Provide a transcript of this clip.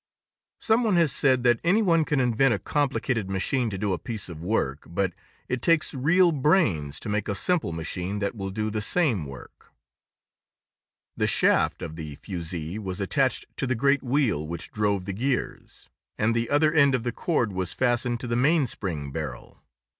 Some one has said that anyone can invent a complicated machine to do a piece of work, but it takes real brains to make a simple machine that will do the same work. [Illustration: Stackfreed Mainspring Barrel and Fusee] The shaft of the fusee was attached to the great wheel which drove the gears, and the other end of the cord was fastened to the mainspring barrel.